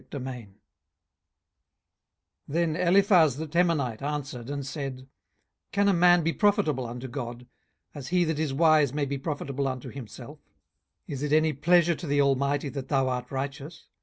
18:022:001 Then Eliphaz the Temanite answered and said, 18:022:002 Can a man be profitable unto God, as he that is wise may be profitable unto himself? 18:022:003 Is it any pleasure to the Almighty, that thou art righteous?